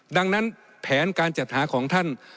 ดังนั้นแผนการจัดหาของท่าน